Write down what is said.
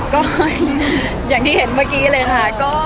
ก็อย่างที่เห็นเมื่อกี้เลยค่ะ